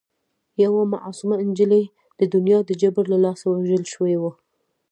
یوه معصومه نجلۍ د دنیا د جبر له لاسه وژل شوې وه